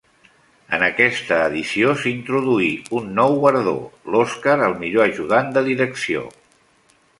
En aquesta edició s'introduí un nou guardó, l'Oscar al millor ajudant de direcció.